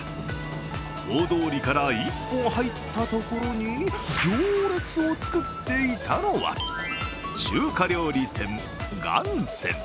大通りから１本入ったところに行列を作っていたのは、中華料理店、雁川。